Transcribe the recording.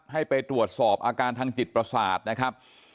ให้ไปตรวจสอบอาการทางจิตประสาทนะครับ